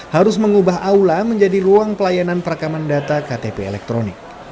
harus mengubah aula menjadi ruang pelayanan perekaman data ktp elektronik